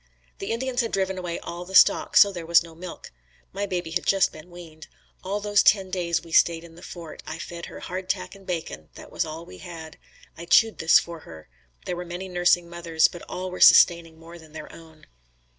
The Indians had driven away all the stock so there was no milk. My baby had just been weaned. All those ten days we stayed in the fort, I fed her hard tack and bacon; that was all we had. I chewed this for her. There were many nursing mothers, but all were sustaining more than their own.